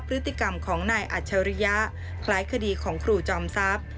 พฤติกรรมของนายอัจฉริยะคล้ายคดีของครูจอมทรัพย์